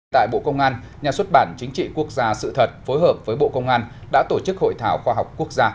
tại bộ công an nhà xuất bản chính trị quốc gia sự thật phối hợp với bộ công an đã tổ chức hội thảo khoa học quốc gia